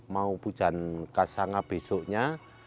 mau pujan kasanga besoknya